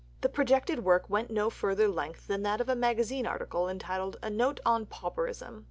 The projected work went to no further length than that of a magazine article entitled "A Note on Pauperism."